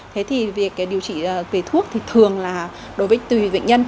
thế thì việc điều trị về thuốc thì thường là đối với tùy bệnh nhân